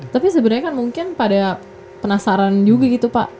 tapi sebenarnya kan mungkin pada penasaran juga gitu pak